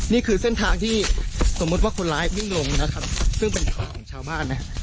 นี่คือเส้นทางที่สมมุติว่าคนร้ายวิ่งลงนะครับซึ่งเป็นของชาวบ้านนะ